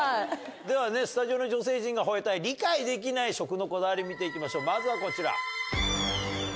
ではスタジオの女性陣が吠えたい理解できない食のこだわり見て行きましょうまずはこちら。